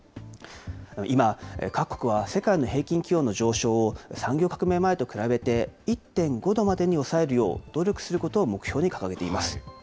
今、各国は世界の平均気温の上昇を、産業革命前と比べて１．５度までに抑えるよう努力することを目標に掲げています。